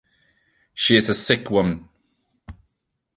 She is a sick woman.